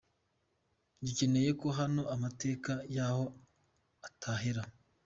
Dukeneye ko hano amateka y’aho atahera.